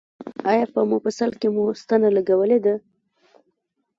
ایا په مفصل کې مو ستنه لګولې ده؟